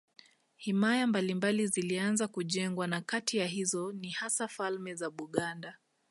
Himaya mbalimbali zilianza kujengwa na kati ya hizo ni hasa falme za Buganda